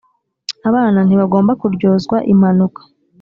abana ntibagomba kuryozwa impanuka.